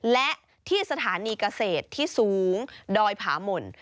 และที่สถานีเกษตรที่สูงดอยผาหม่น